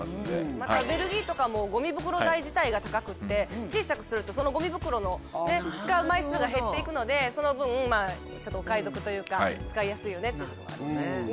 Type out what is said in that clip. またベルギーとかもゴミ袋代自体が高くて小さくするとそのゴミ袋の使う枚数が減っていくのでその分ちょっとお買い得というか使いやすいよねっていうところがあるみたいですね。